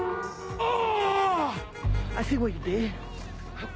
あぁ！